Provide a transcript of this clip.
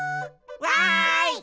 わい！